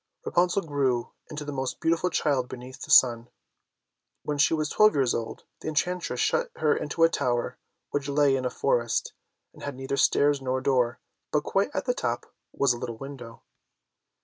Rapunzel grew into the most beautiful child beneath the sun. When she was twelve years old, the enchantress shut her into a tower, which lay in a forest, and had neither stairs nor door, but quite at the top was a little window.